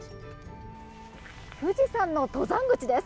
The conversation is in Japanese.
富士山の登山口です。